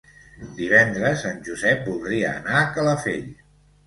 Divendres en Josep voldria anar a Calafell.